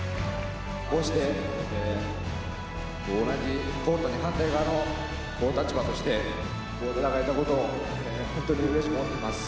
こうして同じコートに反対側の立場として戦えたことを、本当にうれしく思っています。